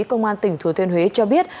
công an tỉnh thừa thuyên huế cho biết